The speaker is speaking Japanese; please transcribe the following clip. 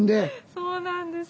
そうなんです。